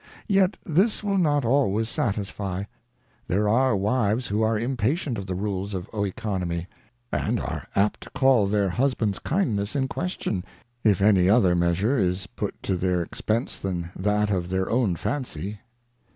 Yet this will not always satisfie. There are Wives who are impatient of the Rules of Oeconomy, and are apt to call their Husband's Kindness in question, if any other measure is put to their expence than that of their own Fancy.